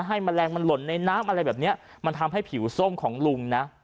แมลงมันหล่นในน้ำอะไรแบบเนี้ยมันทำให้ผิวส้มของลุงนะ